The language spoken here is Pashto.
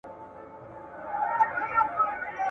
سره جمع به رندان وي ته به یې او زه به نه یم `